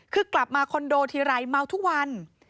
คือกลับมาคอนโดทีไรเมาทุกวัน